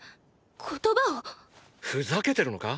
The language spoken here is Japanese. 言葉を⁉ふざけてるのか？